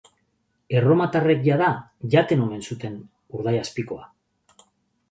Erromatarrek jada jaten omen zuten urdaiazpikoa.